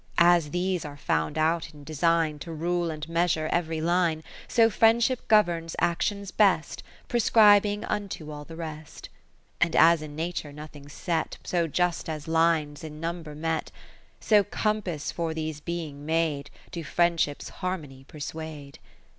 40 XI As these are found out in design To rule and measure every line ; So Friendship governs actions best, Prescribing unto all the rest. XII And as in Nature nothing 's set So just as lines in number met ; So Compasses for these b'ing made. Do friendship's harmony persuade.